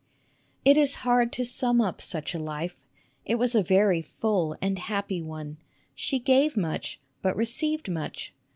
It is hard to sum up such a life. It was a very full and happy one. She gave much, but received much.